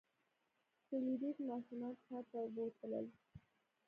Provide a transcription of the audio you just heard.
فلیریک ماشومان ښار ته بوتلل.